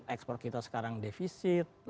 export kita sekarang defisit